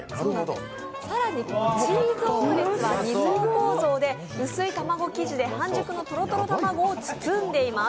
更にチーズオムレツは２層構造で、薄い卵生地で半熟のとろとろ卵を包んでいます。